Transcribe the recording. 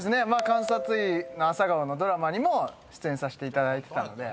『監察医朝顔』のドラマにも出演させていただいてたので。